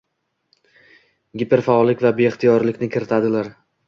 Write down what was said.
giperfaollik va beixtiyoriylikni kiritadilar.